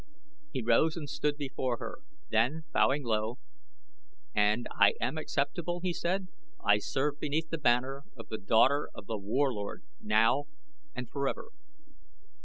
He rose and stood before her, then, bowing low. "And I am acceptable," he said, "I serve beneath the banner of the daughter of The Warlord now and forever."